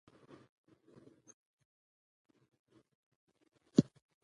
افغانستان د بزګان د ترویج لپاره پروګرامونه لري.